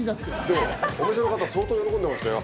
でもお店の方相当喜んでましたよ